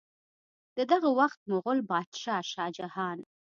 د دغه وخت مغل بادشاه شاه جهان